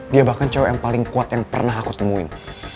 dia bahkan cowok yang paling kuat yang pernah aku temuin